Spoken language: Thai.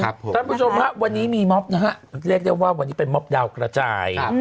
คุณผู้ชมฮะวันนี้มีม็อบนะฮะเรียกได้ว่าวันนี้เป็นม็อบดาวกระจาย